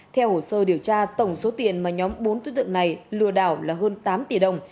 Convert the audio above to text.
theo hồ sơ điều tra tổng số tiền mà nhóm bốn tượng này lừa đảo là hơn tám tỷ đồng